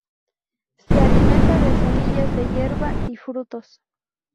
Se alimenta de semillas de hierba y frutos.